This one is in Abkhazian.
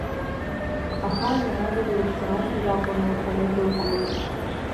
Аха уи адырҩаҽны ашьыжь акәын лҽаназылклоз.